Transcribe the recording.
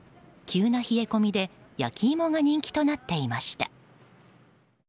急な冷え込みで焼き芋が人気となっていました。